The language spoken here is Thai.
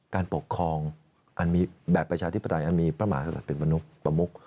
การปกครองแบบประชาธิปไตยมีพระมากษัตริย์เป็นประมุก